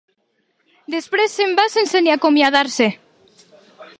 Després se'n va sense ni acomiadar-se.